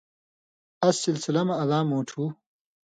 اس سلسلہ مہ الاں مُوٹُھو